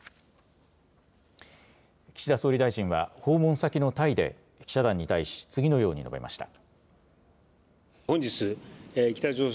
岸田総理大臣は訪問先のタイで、記者団に対し、次のように述べました。